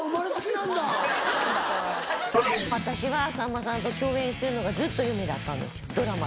私はさんまさんと共演するのがずっと夢だったんですドラマで。